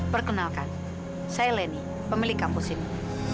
perkenalkan saya leni pemilik kampus ini